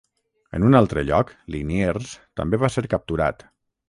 En un altre lloc Liniers també va ser capturat.